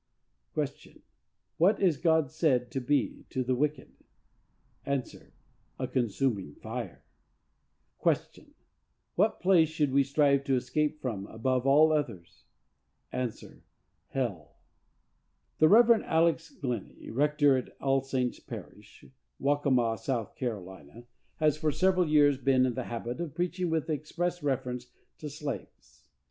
Q. What is God said to be to the wicked?—A. A consuming fire. Q. What place should we strive to escape from above all others?—A. Hell. The Rev. Alex. Glennie, rector of Allsaints parish, Waccamaw, South Carolina, has for several years been in the habit of preaching with express reference to slaves.